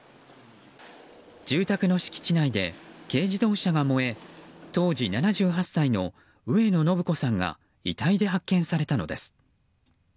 住宅の敷地内で軽自動車が燃え当時７８歳の上野誠子さんが遺体で発見されたのです。